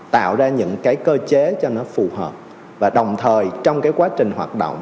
tạo ra những cái cơ chế cho nó phù hợp và đồng thời trong cái quá trình hoạt động